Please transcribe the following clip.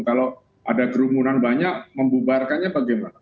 kalau ada kerumunan banyak membubarkannya bagaimana